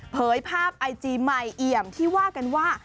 เผยภาพไอจีใหม่เอี่ยมที่ว่ากันว่า